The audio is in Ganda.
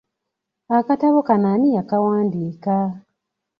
Akatabo kano ani yakawandiika?